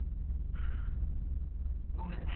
うんごめんね。